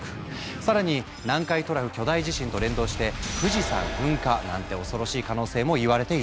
更に南海トラフ巨大地震と連動して富士山噴火なんて恐ろしい可能性もいわれているんです。